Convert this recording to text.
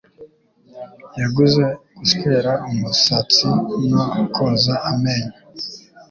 Yaguze guswera umusatsi no koza amenyo.